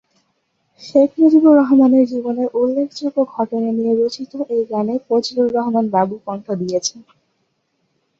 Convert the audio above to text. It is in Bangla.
শেখ মুজিবুর রহমানের জীবনের উল্লেখযোগ্য ঘটনা নিয়ে রচিত এই গানে ফজলুর রহমান বাবু কন্ঠ দিয়েছেন।